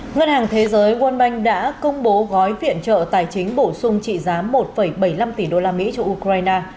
ngân hàng thế giới world bank đã công bố gói viện trợ tài chính bổ sung trị giá một bảy mươi năm tỷ usd cho ukraine